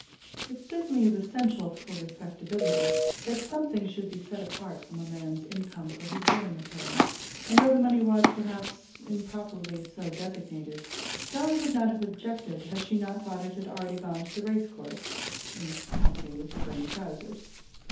It certainly is essential for respectability that something should be set apart from a man's income for his wearing apparel; and though the money was, perhaps, improperly so designated, Dolly would not have objected had she not thought that it had already gone to the race course, in company with the green trousers.